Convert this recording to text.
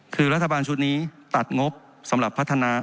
คือรัฐบาลชุดนี้ตัดงบสำหรับพัฒนา